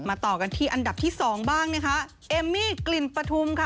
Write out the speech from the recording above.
ต่อกันที่อันดับที่สองบ้างนะคะเอมมี่กลิ่นปฐุมค่ะ